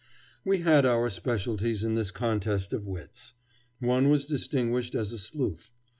We had our specialties in this contest of wits. One was distinguished as a sleuth.